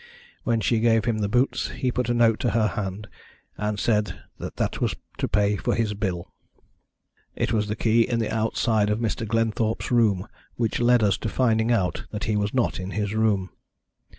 When she gave him the boots he put a note into her hand, and said that was to pay for his bill. "It was the key in the outside of Mr. Glenthorpe's room which led to us finding out that he was not in the room.